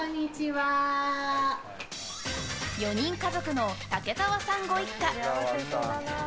４人家族の武澤さんご一家。